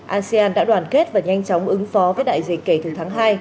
asean đã đoàn kết và nhanh chóng ứng phó với đại dịch kể từ tháng hai